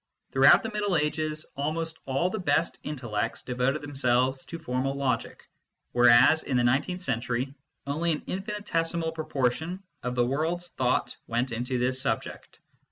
Throughout the Middle Ages, almost all the best intellects devoted themselves to formal logic, whereas in the nineteenth century only an infinitesimal proportion of the world s thought went into this subject.